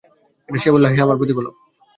সে বলল, হে আমার প্রতিপালক!